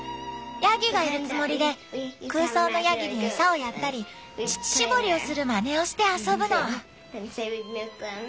ヤギがいるつもりで空想のヤギに餌をやったり乳搾りをするまねをして遊ぶの。